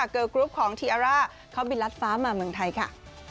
เกอร์กรุ๊ปของทีอาร่าเขาบินรัดฟ้ามาเมืองไทยค่ะ